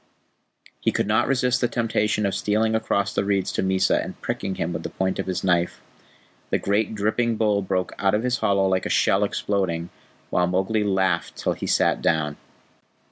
He could not resist the temptation of stealing across the reeds to Mysa and pricking him with the point of his knife. The great dripping bull broke out of his wallow like a shell exploding, while Mowgli laughed till he sat down.